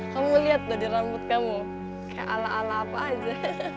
kamu lihat loh di rambut kamu kayak ala ala apa aja